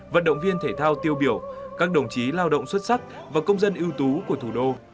vận động viên thể thao tiêu biểu các đồng chí lao động xuất sắc và công dân ưu tú của thủ đô